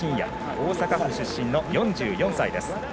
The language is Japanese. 大阪府出身の４４歳です。